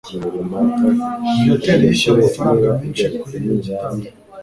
viateur yishyuye amafaranga menshi kuri iyo gitari